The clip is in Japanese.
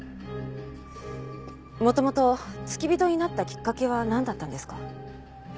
元々付き人になったきっかけはなんだったんですか？